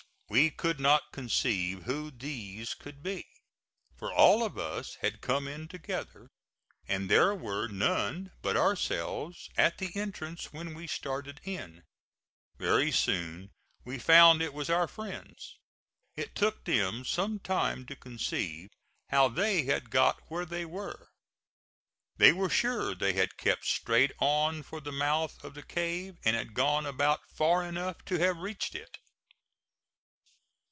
We could not conceive who these could be, for all of us had come in together, and there were none but ourselves at the entrance when we started in. Very soon we found it was our friends. It took them some time to conceive how they had got where they were. They were sure they had kept straight on for the mouth of the cave, and had gone about far enough to have reached it.